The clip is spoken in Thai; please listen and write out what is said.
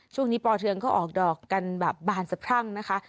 ช่วงนี้ปลอเทืองก็ออกดอกกันแบบบานสะพรั่งนะคะ